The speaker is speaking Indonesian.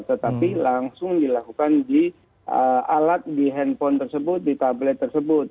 tetapi langsung dilakukan di alat di handphone tersebut di tablet tersebut